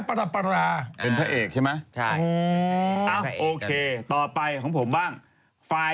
ใครนิชา